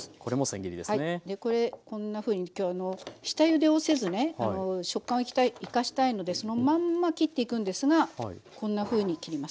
これこんなふうに今日下ゆでをせずね食感を生かしたいのでそのまんま切っていくんですがこんなふうに切ります。